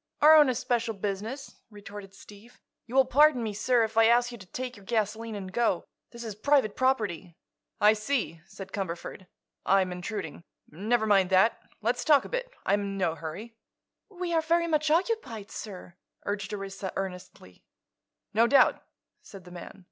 "Our own especial business," retorted Steve. "You will pardon me, sir, if I ask you to take your gasoline and go. This is private property." "I see," said Cumberford. "I'm intruding. Never mind that. Let's talk a bit; I'm in no hurry." "We are very much occupied, sir," urged Orissa, earnestly. "No doubt," said the man.